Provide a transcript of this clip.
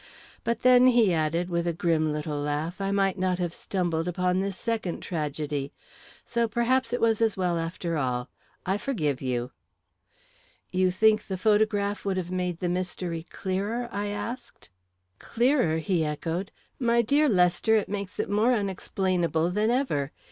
But then," he added, with a grim little laugh, "I might not have stumbled upon this second tragedy. So perhaps it was as well, after all. I forgive you." "You think the photograph would have made the mystery clearer?" I asked. "Clearer?" he echoed. "My dear Lester, it makes it more unexplainable than ever.